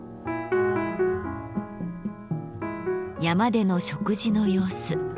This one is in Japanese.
山での食事の様子。